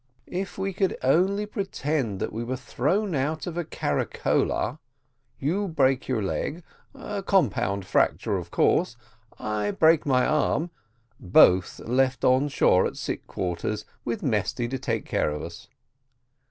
"If we could only pretend that we were thrown out of a caricola, you break your leg, a compound fracture of course I break my arm both left on shore at sick quarters, with Mesty to take care of us."